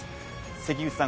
関口さん